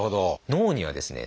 脳にはですね